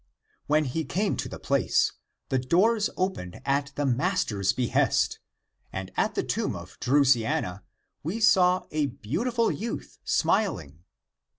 When we came to the place, the doors opened at the master's behest, and at the tomb of Drusiana we saw a beautiful youth smiling.